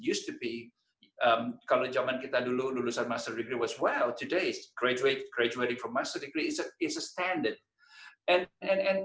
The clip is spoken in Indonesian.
seperti dulu kalau zaman kita dulu lulusan master degree wow hari ini mengerjakan mengerjakan dari master degree itu adalah satu hal yang sangat penting